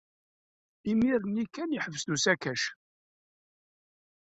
Imir-nni kan, yeḥbes-d usakac.